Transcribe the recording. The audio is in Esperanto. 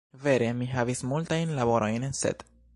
Vere, mi havis multajn laborojn, sed